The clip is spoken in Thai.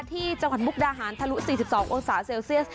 ที่จังหวัดมุกดาหารทะลุ๔๒องศาเซลเซียส